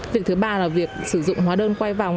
việc thứ ba là việc sử dụng hóa đơn quay vòng